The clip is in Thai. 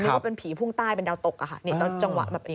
นี่ก็เป็นผีพุ่งใต้เป็นดาวตกตอนจังหวะแบบนี้